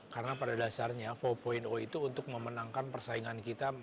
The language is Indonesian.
karena pada dasarnya empat itu untuk memenangkan persaingan kita